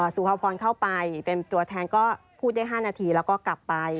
สุภาพรเข้าไปเป็นตัวแทนก็พูดได้๕นาทีแล้วก็กลับไป